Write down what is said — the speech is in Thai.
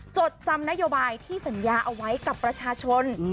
จดจำนโยบายที่สัญญาเอาไว้กับประชาชน